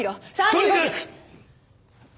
とにかく！